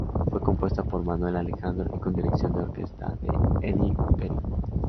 Fue compuesta por Manuel Alejandro y con dirección de orquesta de Eddy Guerin.